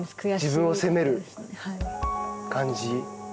自分を責める感じ。